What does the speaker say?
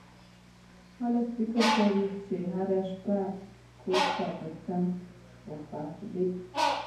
فکر مې وکړ چې هره شپه کور ته تر تګ خو ښه دی.